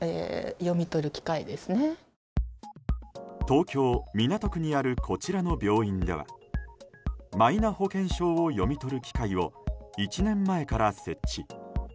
東京・港区にあるこちらの病院ではマイナ保険証を読み取る機械を１年前から設置。